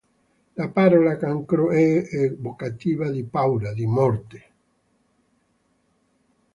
La parola cancro è evocativa di paura, di morte.